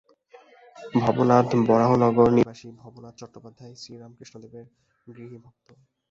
ভবনাথ বরাহনগর-নিবাসী ভবনাথ চট্টোপাধ্যায়, শ্রীরামকৃষ্ণদেবের গৃহী ভক্ত।